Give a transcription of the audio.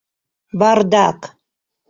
Бардак!